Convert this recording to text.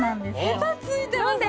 ヘタ付いてますね。